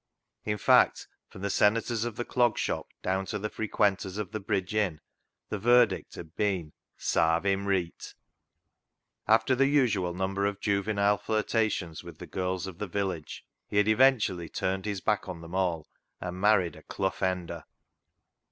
In fact, from the senators of the Clog Shop down to the frequenters of the Bridge Inn, the verdict had been " sarve him reet." After the usual number of juvenile flirtations with the girls of the village he had eventually turned his back on them all and married a Clough Ender.